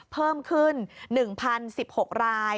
เพิ่มขึ้น๑๐๑๖ราย